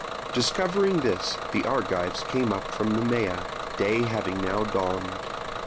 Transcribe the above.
Discovering this, the Argives came up from Nemea, day having now dawned.